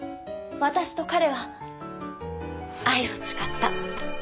私と彼は愛を誓った。